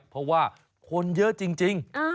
เพราะว่าคนเยอะจริง